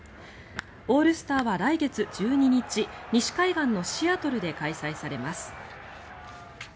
オールスターは来月１２日西海岸のシアトルで開催されます。